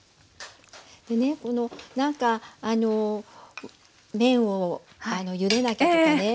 でね何か麺をゆでなきゃとかね